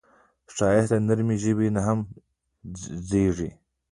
ښایست له نرمې ژبې نه هم زېږي